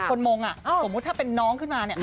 ของว่าถ้าเป็นน้องขึ้นมาเนี่ย